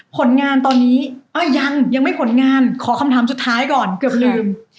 ผลงานตอนนี้ยังยังไม่ผลงานขอคำถามสุดท้ายก่อนเกือบลืม